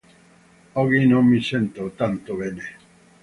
Oggi non mi sento tanto bene